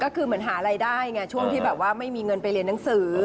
ก็คือเหมือนหารายได้ไงช่วงที่แบบว่าไม่มีเงินไปเรียนหนังสือ